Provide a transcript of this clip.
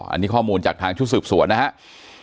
อันนี้ข้อมูลจากทางชุดสืบสวนนะครับ